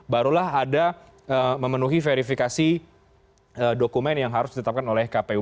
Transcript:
barulah ada memenuhi verifikasi dokumen yang harus ditetapkan oleh kpu